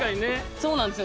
そうなんですよね。